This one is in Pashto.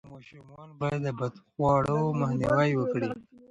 ماشومان باید د بدخواړو مخنیوی وکړي.